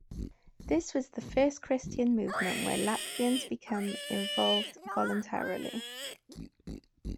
This was the first Christian movement where Latvians become involved voluntarily.